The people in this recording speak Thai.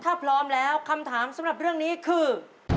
ถ้าพร้อมแล้วคำถามสำหรับเรื่องนี้คือ